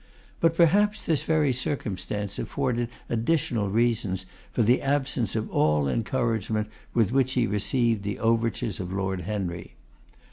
But, perhaps, this very circumstance afforded additional reasons for the absence of all encouragement with which he received the overtures of Lord Henry.